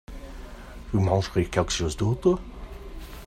Vous mangerez quelque chose d’autre ?